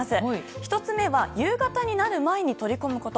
１つ目は夕方になる前に取り込むこと。